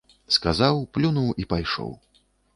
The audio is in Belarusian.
Сказаў, плюнуў і пайшоў.